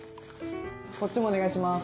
こっちもお願いします！